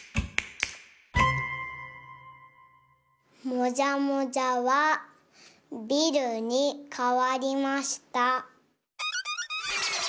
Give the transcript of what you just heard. もじゃもじゃはビルにかわりました。